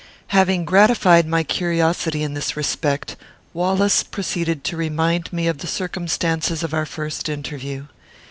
Having gratified my curiosity in this respect, Wallace proceeded to remind me of the circumstances of our first interview.